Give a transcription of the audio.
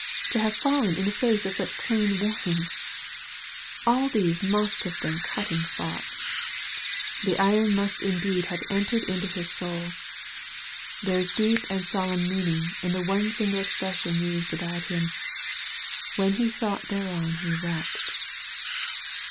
To have fallen in the face of such plain warnings ! All these must have been cutting thoughts. The iron must indeed have entered into his soul. There is deep and solemn meaning in the one single expression used about him " when he thought thereon he wept."